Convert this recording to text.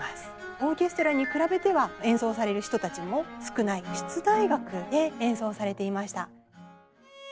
オーケストラに比べては演奏される人たちも少ない室内楽で演奏されていました。